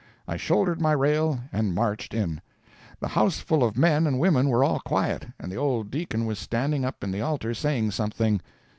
I shouldered my rail and marched in. The houseful of men and women were all quiet, and the old deacon was standing up in the altar saying something.